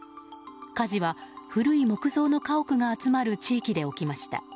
火事は古い木造の家屋が集まる地域で起きました。